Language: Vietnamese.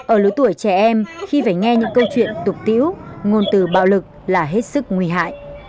ở lứa tuổi trẻ em khi phải nghe những câu chuyện tục tiễu ngôn từ bạo lực là hết sức nguy hại